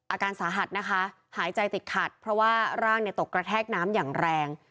อาการสาหัสนะคะหายใจติดขัดเพราะว่าร่างตกกระแทกน้ำอย่างแรง